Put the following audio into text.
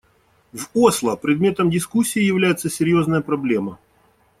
В Осло предметом дискуссии является серьезная проблема.